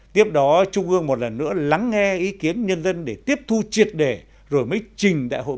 tiếp đó trung ương một lần nữa lắng nghe ý kiến nhân dân để tiếp thu triệt đề rồi mới trình đại hội một mươi ba qua đảng